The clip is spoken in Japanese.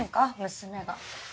娘が。